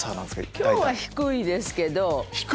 今日は低いですけど。